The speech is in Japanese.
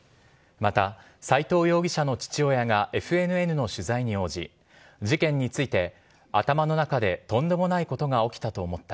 また斎藤容疑者の父親がＦＮＮの取材に応じ、事件について、頭の中でとんでもないことが起きたと思った。